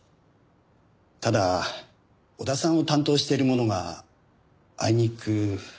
ただ小田さんを担当している者があいにく。